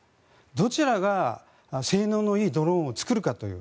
どちらが性能のいいドローンを作るかという。